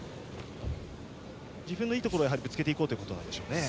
自分のいいところをぶつけていこうということそうですね。